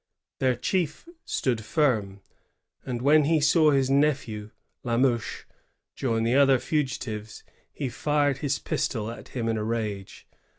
Their chief stood firm ; and when he saw his nephew, La Mouche, join the other fugitives, he fired his pistol at him in a rage.